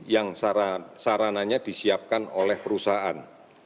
yang sarananya disiapkan oleh perusahaan